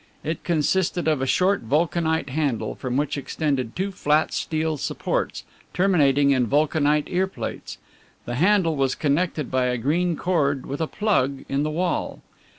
It consisted of a short vulcanite handle, from which extended two flat steel supports, terminating in vulcanite ear plates. The handle was connected by a green cord with a plug in the wall.